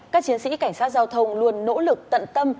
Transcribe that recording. các chiến sĩ cảnh sát giao thông luôn nỗ lực tận tâm